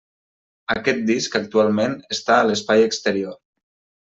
Aquest disc actualment està a l'espai exterior.